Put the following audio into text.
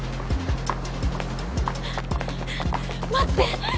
待って。